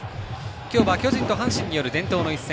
今日は巨人と阪神による伝統の一戦。